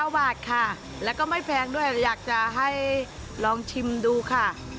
บาทค่ะแล้วก็ไม่แพงด้วยอยากจะให้ลองชิมดูค่ะ